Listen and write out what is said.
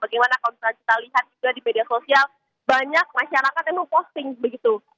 bagaimana kalau misalnya kita lihat juga di media sosial banyak masyarakat yang memposting begitu